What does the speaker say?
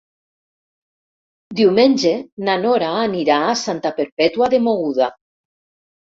Diumenge na Nora anirà a Santa Perpètua de Mogoda.